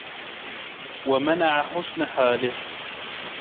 وَمَنَعَ حُسْنَ حَالِهِ